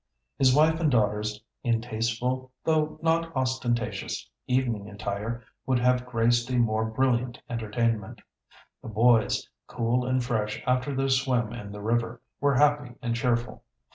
His wife and daughters in tasteful, though not ostentatious, evening attire would have graced a more brilliant entertainment. The boys, cool and fresh after their swim in the river, were happy and cheerful.